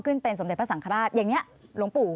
เป็นสมเด็จพระสังฆราชอย่างนี้หลวงปู่